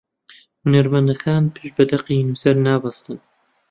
هونەرمەندەکان پشت بە دەقی نووسەر نابەستن